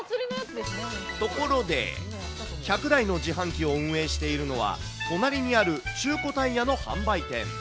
ところで、１００台の自販機を運営しているのは、隣にある中古タイヤの販売店。